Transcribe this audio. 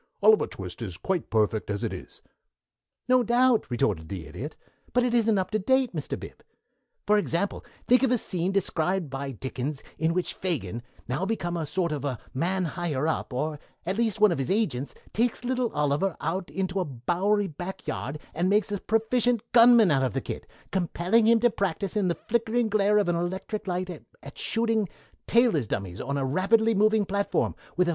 "'Oliver Twist' is quite perfect as it is." "No doubt," retorted the Idiot, "but it isn't up to date, Mr. Bib. For example, think of a scene described by Dickens in which Fagin, now become a sort of man higher up, or at least one of his agents, takes little Oliver out into a Bowery back yard and makes a proficient gunman out of the kid, compelling him to practice in the flickering glare of an electric light at shooting tailor's dummies on a rapidly moving platform, with a